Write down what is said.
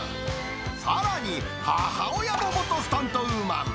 さらに、母親も元スタントウーマン。